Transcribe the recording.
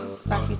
apakah saya pinter